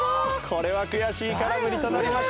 これは悔しい空振りとなりました。